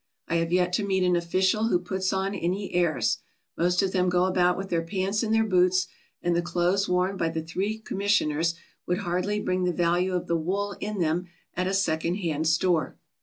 I have yet to meet an official who puts on any airs. Most of them go about with their pants in their boots, and the clothes worn by the three commissioners would hardly bring the value of the wool in them at a second hand store.